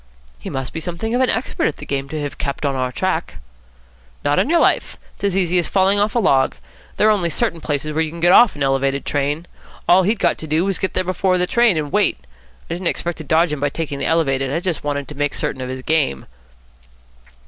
"He must be something of an expert at the game to have kept on our track." "Not on your life. It's as easy as falling off a log. There are only certain places where you can get off an Elevated train. All he'd got to do was to get there before the train, and wait. I didn't expect to dodge him by taking the Elevated. I just wanted to make certain of his game."